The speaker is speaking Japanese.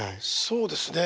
そうですね。